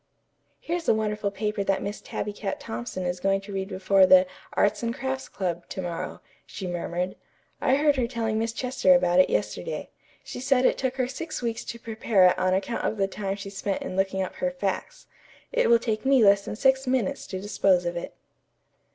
"Here's the wonderful paper that Miss Tabby Cat Thompson is going to read before the 'Arts and Crafts Club' to morrow," she murmured. "I heard her telling Miss Chester about it yesterday. She said it took her six weeks to prepare it on account of the time she spent in looking up her facts. It will take me less than six minutes to dispose of it."